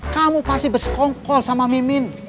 kamu pasti bersekongkol sama mimin